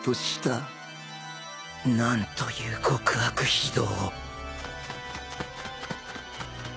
なんという極悪非道。